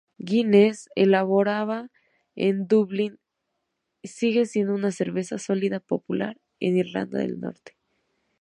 Guinness, elaborada en Dublín sigue siendo una cerveza sólida popular en Irlanda del Norte.